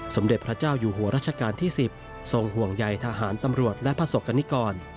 สมเด็จพระเจ้าอยู่หัวรัชกาลที่๑๐ทรงห่วงใยทหารตำรวจและประสบกรณิกร